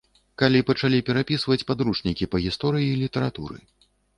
Калі пачалі перапісваць падручнікі па гісторыі й літаратуры.